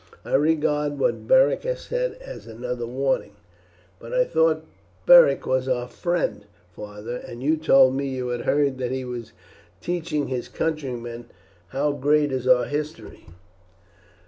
I regard what Beric has said as another warning." "But I thought that Beric was our friend, father, and you told me you had heard that he was teaching his countrymen how great is our history."